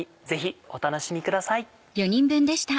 ぜひお楽しみください。